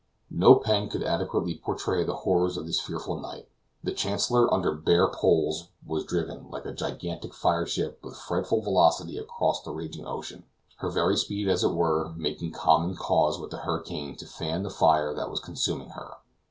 No pen could adequately portray the horrors of this fearful night. The Chancellor under bare poles, was driven, like a gigantic fire ship with frightful velocity across the raging ocean; her very speed as it were, making common cause with the hurricane to fan the fire that was consuming her.